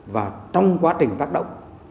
và trong quá trình tác động